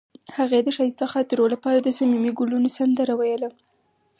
هغې د ښایسته خاطرو لپاره د صمیمي ګلونه سندره ویله.